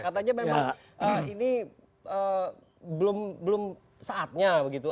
katanya memang ini belum saatnya begitu